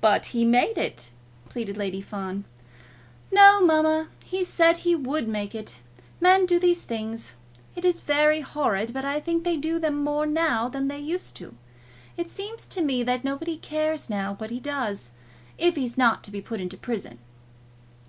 "But he made it!" pleaded Lady Fawn. "No, mamma, he said he would make it. Men do these things. It is very horrid, but I think they do them more now than they used to. It seems to me that nobody cares now what he does, if he's not to be put into prison."